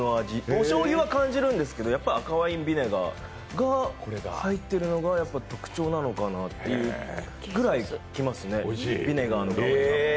おしょうゆは感じるんですけどやっぱり赤ワインビネガーが入っているのが特徴なのかなというぐらいきますね、ビネガーの香りが。